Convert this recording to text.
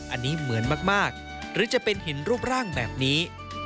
อันนี้เหมือนมากหรือจะเป็นหินรูปร่างแบบนี้